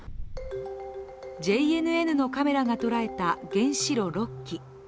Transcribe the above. ＪＮＮのカメラが捉えた原子炉６基。